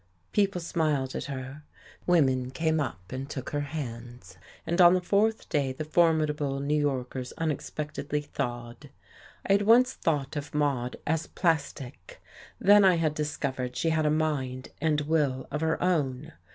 People smiled at her. Women came up and took her hands. And on the fourth day the formidable New Yorkers unexpectedly thawed. I had once thought of Maude as plastic. Then I had discovered she had a mind and will of her own.